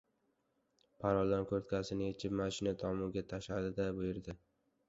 Paralon kurtkasini yechib, mashina tomiga tashladi-da, buyurdi: